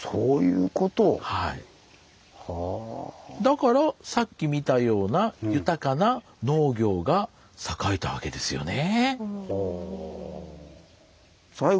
だからさっき見たような豊かな農業が栄えたわけですよね。